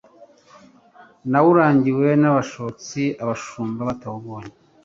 Nawurangiwe n'abashotsi, abashumba batawubonye.